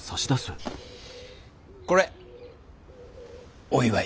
これお祝い。